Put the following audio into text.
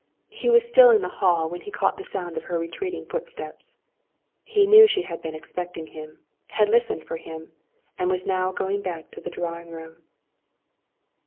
He was still in the hall when he caught the sound of her retreating footsteps. He knew she had been expecting him, had listened for him, and was now going back to the drawing room.